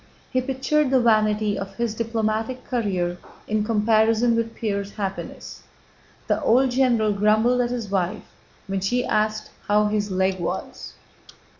He pictured the vanity of his diplomatic career in comparison with Pierre's happiness. The old general grumbled at his wife when she asked how his leg was.